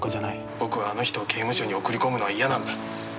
僕はあの人を刑務所に送り込むのは嫌なんだ。